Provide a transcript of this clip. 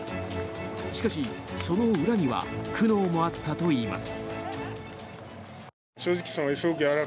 しかし、その裏には苦悩もあったといいます。